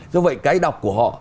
do vậy cái đọc của họ